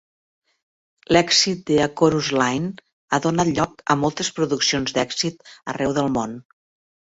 L'èxit de "A Chorus Line" ha donat lloc a moltes produccions d'èxit arreu del món.